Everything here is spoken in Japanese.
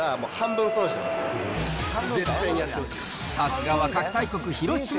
さすがはカキ大国広島。